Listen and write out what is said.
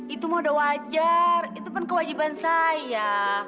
itu mah udah wajar itu kan kewajiban saya